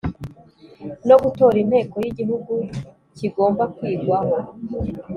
no gutora Inteko y Igihugu kigomba kwigwaho